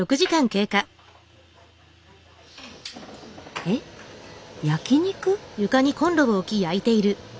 えっ焼き肉？